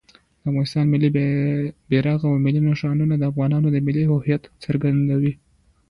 د افغانستان ملي بیرغ او ملي نښانونه د افغانانو د ملي هویت څرګندویي کوي.